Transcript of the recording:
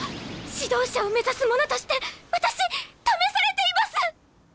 指導者を目指す者として私試されています！